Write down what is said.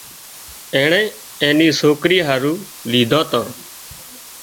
اينڻي اين ني سوڪري هارو ليڌان تان